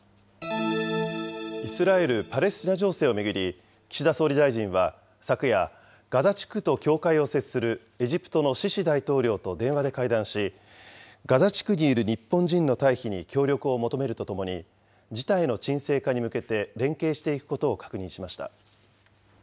イスラエル・パレスチナ情勢を巡り、岸田総理大臣は昨夜、ガザ地区と境界を接するエジプトのシシ大統領と電話で会談し、ガザ地区にいる日本人の退避に協力を求めるとともに、事態の沈静化に向けて連携していくことを確認しました。